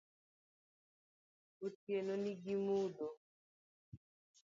Otieno ni gi mudho